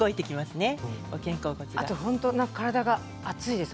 あと体が熱いです。